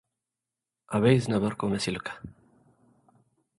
ኣበይ ዝነበርኩ መሲሉካ?